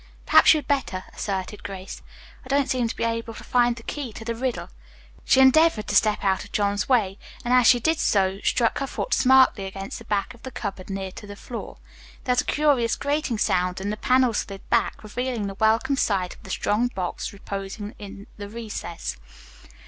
"Perhaps you'd better," assented Grace. "I don't seem to be able to find the key to the riddle." She endeavored to step out of John's way, and as she did so, struck her foot smartly against the back wall of the cupboard near to the floor. There was a curious grating sound and the panel slid back, revealing the welcome sight of the strong box reposing in the recess.